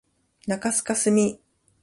中須かすみ